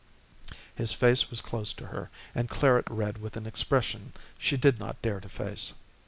His face was close to her and claret red with an expression she did not dare to face.